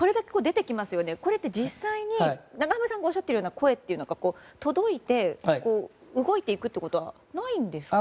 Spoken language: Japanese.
実際に永濱さんがおっしゃっているような声というのが届いて動いていくということはないんですか。